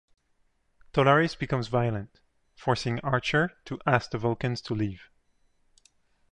Tolaris becomes violent, forcing Archer to ask the Vulcans to leave.